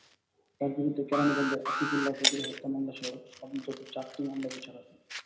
তাঁর বিরুদ্ধে কেরানীগঞ্জের আতিকুল্লাহ চৌধুরী হত্যা মামলাসহ অন্তত চারটি মামলা বিচারাধীন।